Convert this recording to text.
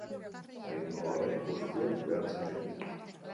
Agindu horrek guztiok behartzen gaitu.